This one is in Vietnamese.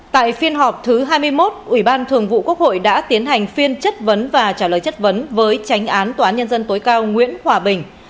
tại phiên họp thứ hai mươi một ủy ban thường vụ quốc hội đã tiến hành phiên chất vấn và trả lời chất vấn với tránh án tòa án nhân dân tối cao nguyễn hòa bình